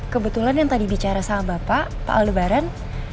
kebetulan yang tadi bicara sama bapak pak aldebaran